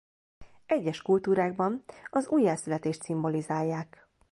Egyes kultúrákban az újjászületést szimbolizálják.